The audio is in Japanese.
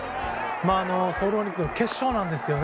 ソウルオリンピックの決勝なんですけど。